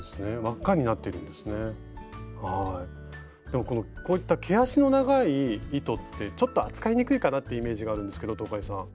でもこういった毛足の長い糸ってちょっと扱いにくいかなってイメージがあるんですけど東海さん。